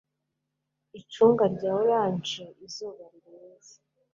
Icunga rya orange izuba rirenze